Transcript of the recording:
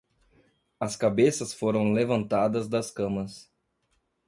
As cabeças foram levantadas das camas.